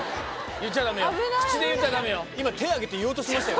言っちゃだめよ。